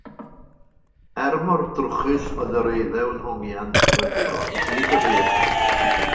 Er mor drwchus oedd yr eiddew yn hongian, roedd bron i gyd yn rhydd.